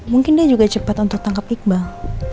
mungkin dia juga cepat untuk tangkap iqbal